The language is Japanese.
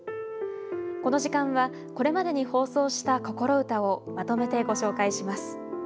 この時間はこれまでに放送した「こころウタ」をまとめてご紹介します。